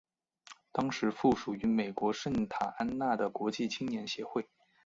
当时附属于美国圣塔安娜的国际青年协会。